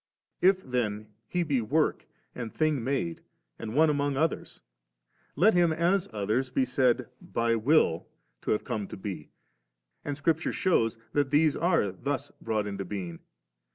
If then He be work and thing made, and one among others, let Him, as others, be said ' by will ' to have come to be, and Scripture shews that these are thus brought into being.